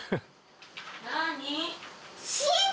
何？